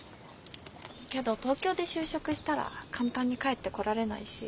けど東京で就職したら簡単に帰ってこられないし。